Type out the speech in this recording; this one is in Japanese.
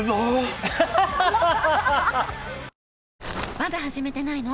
まだ始めてないの？